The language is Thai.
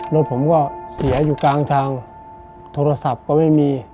รถผมก็เสียอยู่กลางทางโทรศัพท์ก็ไม่มี